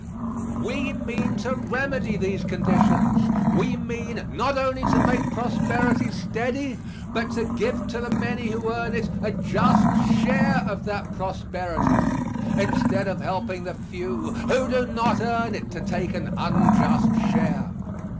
We mean to remedy these conditions. We mean not only to make prosperity steady, but to give to the many who earn it a just share of that prosperity instead of helping the few who do not earn it to take an unjust share.